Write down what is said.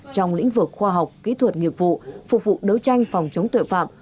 trong lĩnh vực khoa học kỹ thuật nghiệp vụ phục vụ đấu tranh phòng chống tội phạm